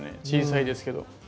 小さいですけど。